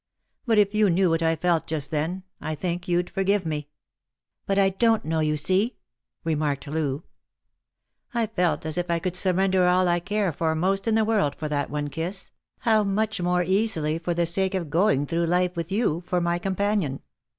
But if you knew what I felt just then, I think you'd forgive me." " But I don't know, you see," remarked Loo. " I felt as if I could surrender all I care for most in the world for that one kiss — how much more easily for the sake of going through life with you for my companion